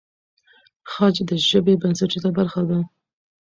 خج د ژبې بنسټیزه برخه ده.